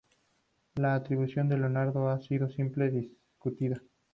La atribución a Leonardo ha sido siempre discutida.